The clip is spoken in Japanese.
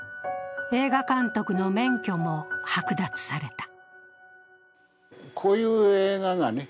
映画監督の免許も剥奪された。